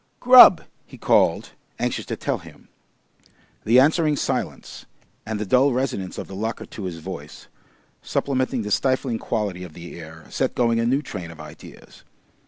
"Grubb!" he called, anxious to tell him. The answering silence, and the dull resonance of the locker to his voice, supplementing the stifling quality of the air, set going a new train of ideas.